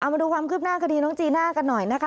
มาดูความคืบหน้าคดีน้องจีน่ากันหน่อยนะคะ